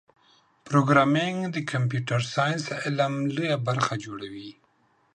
پروګرامېنګ د کمپیوټر ساینس علم لویه برخه جوړوي.